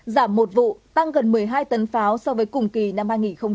giảm một vụ tăng gần một mươi hai tấn pháo so với cùng kỳ năm hai nghìn một mươi chín